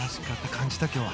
感じた、今日は。